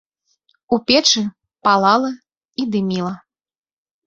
У печы палала і дыміла.